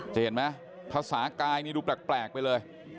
เห็นไหมภาษากายนี่ดูแปลกไปเลย